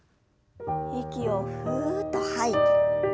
息をふっと吐いて。